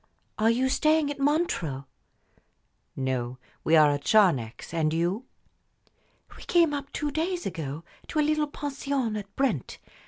Are you staying at Montreux?" "No; we are at Charnex and you?" "We came up two days ago to a little pension at Brent.